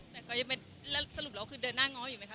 แต่ก็ยังเป็นแล้วสรุปแล้วคือเดินหน้าง้ออยู่ไหมค